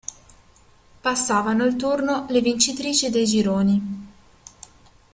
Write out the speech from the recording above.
Passavano il turno le vincitrici dei gironi.